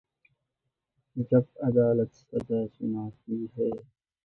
جب عدالت سزا سناتی ہے۔